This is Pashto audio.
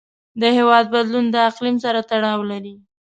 د هوا بدلون د اقلیم سره تړاو لري.